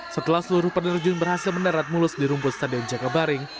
setelah seluruh penerjun berhasil mendarat mulus di rumput stadion jakabaring